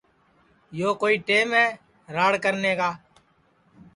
یو کوئی ٹیم ہے راڑ کرنے کا